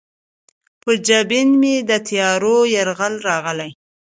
په جبین مې د تیارو یرغل راغلی